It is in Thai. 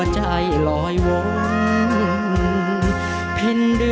จะใช้หรือไม่ใช้ครับ